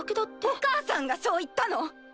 お母さんがそう言ったの？